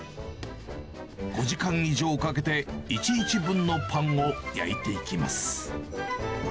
５時間かけて１日分のパンを焼いていきます。